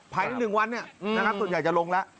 ภายในหนึ่งวันสุดยอดจะลงแล้ว